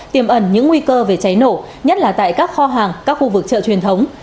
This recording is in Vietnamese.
tiềm ẩn những nguy cơ về cháy nổ nhất là tại các kho hàng các khu vực chợ truyền thống